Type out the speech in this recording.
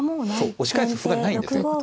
押し返す歩がないんですよ。